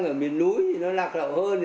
cây xăng ở miền núi thì nó lạc lậu hơn